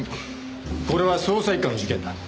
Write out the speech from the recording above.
これは捜査一課の事件だ。